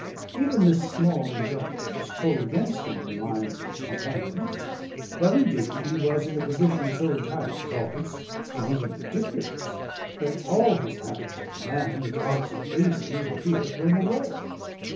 Even this small indulgence told against him in the minds of his companions. But indeed he was in a position so entirely false (and even ridiculous) that all his habit of command and arts of pleasing were here thrown away.